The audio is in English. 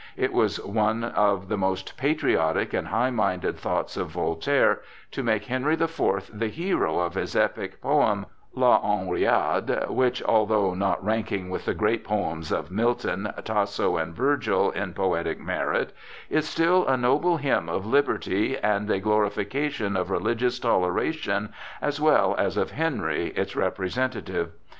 It was one of the most patriotic and high minded thoughts of Voltaire to make Henry the Fourth the hero of his epic poem "La Henriade," which although not ranking with the great poems of Milton, Tasso, and Virgil, in poetic merit, is still a noble hymn of liberty and a glorification of religious toleration, as well as of Henry, its representative.